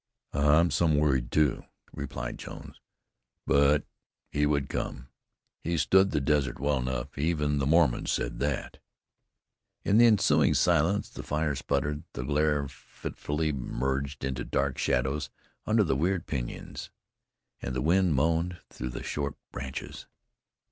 "I'm some worried, too," replied Jones. "But he would come. He stood the desert well enough; even the Mormons said that." In the ensuing silence the fire sputtered, the glare fitfully merged into dark shadows under the weird pinyons, and the wind moaned through the short branches.